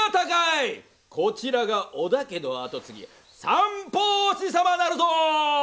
こちらが織田家の後継ぎ三法師様なるぞ！